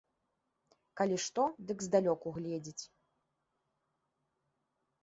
Калі што, дык здалёк угледзіць.